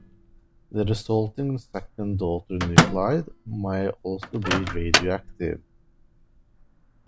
The resulting second daughter nuclide may also be radioactive.